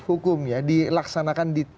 hukumnya dilaksanakan di